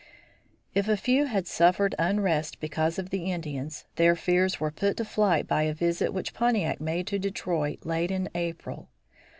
If a few had suffered unrest because of the Indians, their fears were put to flight by a visit which Pontiac made to Detroit late in April.